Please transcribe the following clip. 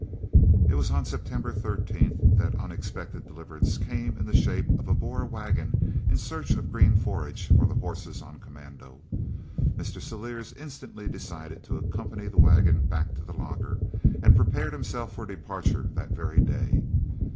It was on September 13th that unexpected deliverance came in the shape of a Boer waggon in search of green forage for the horses on commando. Mr. Celliers instantly decided to accompany the waggon back to the lager, and prepared himself for departure that very day.